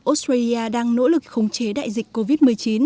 australia đang nỗ lực khống chế đại dịch covid một mươi chín